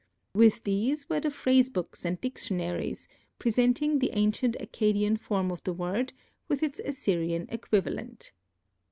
With these were the phrase books and dictionaries presenting the ancient Accadian form of the word with its Assyrian equivalent.